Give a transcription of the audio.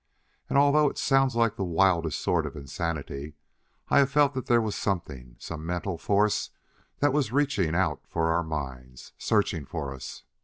And, although it sounds like the wildest sort of insanity, I have felt that there was something some mental force that was reaching out for our minds; searching for us.